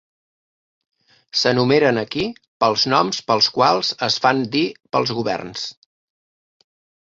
S'enumeren aquí pels noms pels quals es fan dir pels governs.